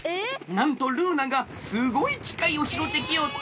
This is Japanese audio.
なんとルーナがすごいきかいをひろってきよった！